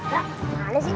gak mana sih